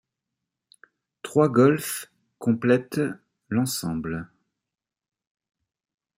Trois golfs complètent l'ensemble.